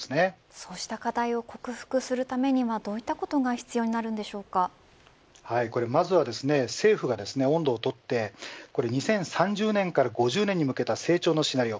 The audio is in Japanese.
そうした課題を克服するためにはまずは政府が音頭をとって２０３０年から５０年に向けた成長のシナリオ